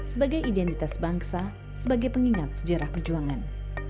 sebagai identitas bangsa sebagai pengingat sejarah perjuangan